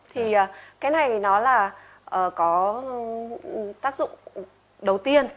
thì cái này nó là có tác dụng đầu tiên